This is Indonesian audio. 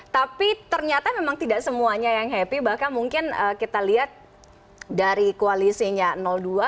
tapi ternyata memang tidak semuanya yang happy bahkan mungkin kita lihat dari koalisinya dua